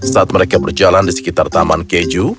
saat mereka berjalan di sekitar taman keju